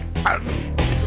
masih belum ketemu